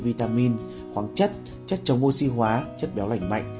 vitamin khoáng chất chất chống oxy hóa chất béo lạnh mạnh